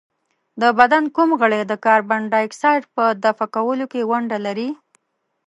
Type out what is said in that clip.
د بدن کوم غړی د کاربن ډای اکساید په دفع کولو کې ونډه لري؟